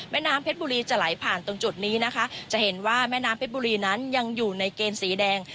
น้ำเพชรบุรีจะไหลผ่านตรงจุดนี้นะคะจะเห็นว่าแม่น้ำเพชรบุรีนั้นยังอยู่ในเกณฑ์สีแดง